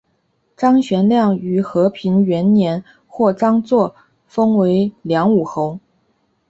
张玄靓于和平元年获张祚封为凉武侯。